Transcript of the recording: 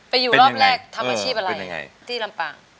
อยู่รอบแรกทำอาชีพอะไรที่ลำปาง